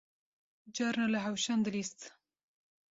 Carna li hewşan dilîst